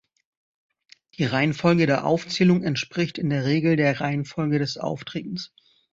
Die Reihenfolge der Aufzählung entspricht in der Regel der Reihenfolge des Auftretens.